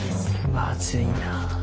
まずいな。